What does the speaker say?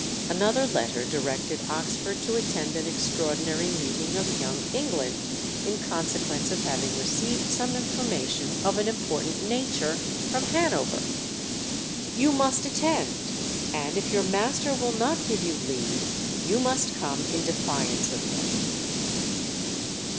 Another letter directed Oxford to attend an extraordinary meeting of "Young England" in consequence of having received some information of an important nature from Hanover. "You must attend; and if your master will not give you leave, you must come in defiance of him."